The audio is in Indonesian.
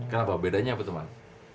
kenapa bedanya apa teman